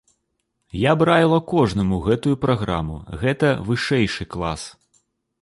Я б раіла кожнаму гэтую праграму, гэта вышэйшы клас.